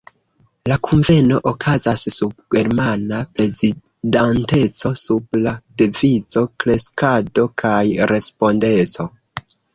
La kunveno okazas sub germana prezidanteco sub la devizo „kreskado kaj respondeco“.